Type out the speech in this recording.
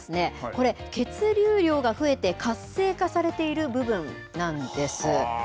これ、血流量が増えて活性化されている部分なんです。